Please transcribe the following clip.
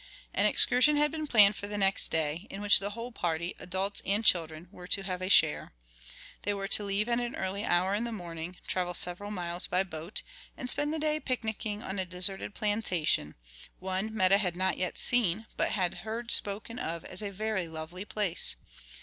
An excursion had been planned for the next day, in which the whole party, adults and children, were to have a share. They were to leave at an early hour in the morning, travel several miles by boat, and spend the day picnicking on a deserted plantation one Meta had not yet seen, but had heard spoken of as a very lovely place.